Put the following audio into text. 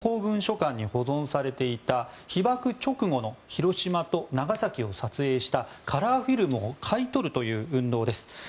アメリカの国立公文書館に保存されていた被爆直後の広島と長崎を撮影したカラーフィルムを買い取るという運動です。